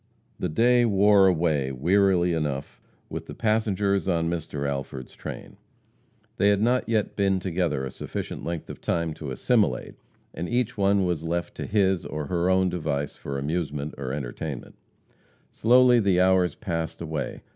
The day wore away, wearily enough, with the passengers on Mr. Alford's train. They had not yet been together a sufficient length of time to assimilate, and each one was left to his, or her, own device for amusement or entertainment. Slowly the hours passed away.